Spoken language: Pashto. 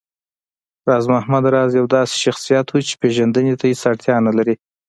راز محمد راز يو داسې شخص و چې پېژندنې ته هېڅ اړتيا نه لري